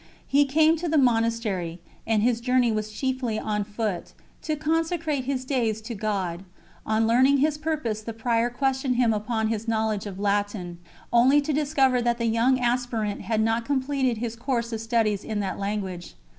He came to the monastery and his journey was chiefly on foot to consecrate his days to God. On learning his purpose the Prior questioned him upon his knowledge of Latin, only to discover that the young aspirant had not completed his course of studies in that language.